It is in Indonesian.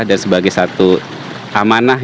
dan sebagai satu amanah